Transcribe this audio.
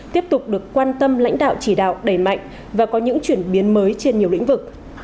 tiếp tục được quan tâm lãnh đạo chỉ đạo đẩy mạnh và có những chuyển biến mới trên nhiều lĩnh vực